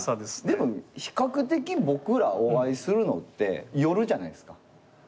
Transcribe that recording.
でも比較的僕らお会いするのって夜じゃないですか。